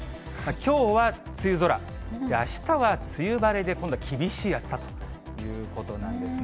きょうは梅雨空、あしたは梅雨晴れで、今度は厳しい暑さということなんですね。